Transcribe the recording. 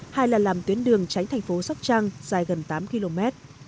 hai là làm tuyến đường tránh thành phố sóc trăng dài gần tám km